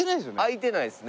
開いてないですね。